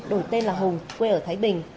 đổi tên là hùng quê ở thái bình